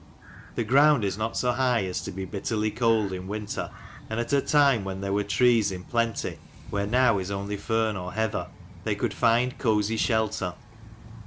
The ground is not so high as to be bitterly cold in winter, and at a time when 92 there were trees in plenty where now is only fern or heather, they could find cosy shelter.